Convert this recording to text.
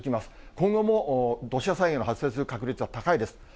今後も土砂災害の発生する確率は高いです。